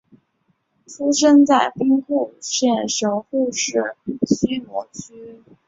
出生在兵库县神户市须磨区。